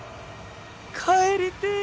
帰りてぇ。